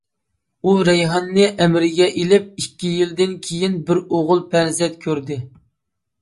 ئۇ رەيھاننى ئەمرىگە ئېلىپ ئىككى يىلدىن كېيىن بىر ئوغۇل پەرزەنت كۆردى.